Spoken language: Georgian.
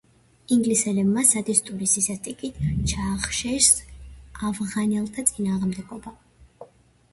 ინგლისელებმა სადისტური სისასტიკით ჩაახშეს ავღანელთა წინააღმდეგობა.